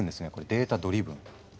データドリブン。